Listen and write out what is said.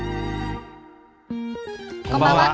こんばんは。